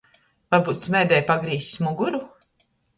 Varbyut smēdei pagrīzs muguru?